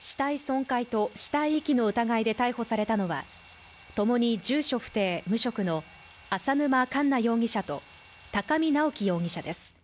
死体損壊と死体遺棄の疑いで逮捕されたのは、ともに住所不定・無職の淺沼かんな容疑者と高見直輝容疑者です。